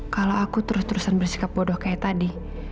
kalau aku terus terusan bersikap bodoh kayak tadi